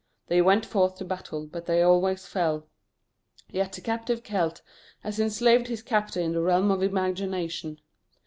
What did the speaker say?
"They went forth to battle, but they always fell," yet the captive Celt has enslaved his captor in the realm of imagination.